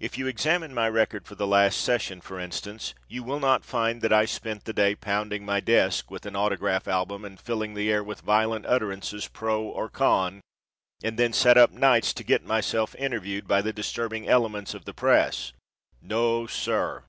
If you examine my record for the last session, for instance, you will not find that I spent the day pounding my desk with an autograph album and filling the air with violent utterances pro or con and then sat up nights to get myself interviewed by the disturbing elements of the press. No, sir!